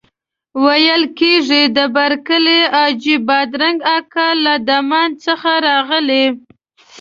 ویل کېږي د برکلي حاجي بادرنګ اکا له دمان څخه راغلی.